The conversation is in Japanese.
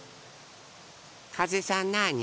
かぜさんなあに？